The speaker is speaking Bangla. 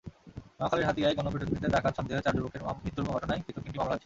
নোয়াখালীর হাতিয়ায় গণপিটুনিতে ডাকাত সন্দেহে চার যুবকের মৃত্যুর ঘটনায় পৃথক তিনটি মামলা হয়েছে।